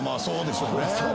そうでしょうね。